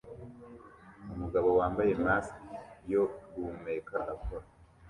Umugabo wambaye mask yo guhumeka akora